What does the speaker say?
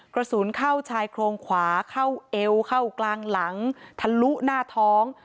กระสุนเข้าชายโครงขวาเข้าเอวเข้ากลางหลังทะลุหน้าท้อง